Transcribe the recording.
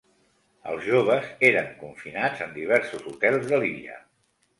Els joves eren confinats en diversos hotels de l’illa.